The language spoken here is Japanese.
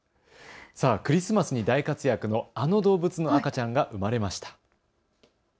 クリスマスに大活躍のあの動物の赤ちゃんが生まれました。